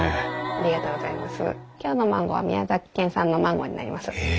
ありがとうございます。